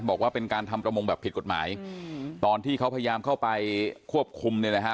บอกว่าเป็นการทำประมงแบบผิดกฎหมายตอนที่เขาพยายามเข้าไปควบคุมเนี่ยนะฮะ